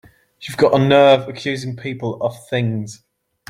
You've got a nerve accusing people of things!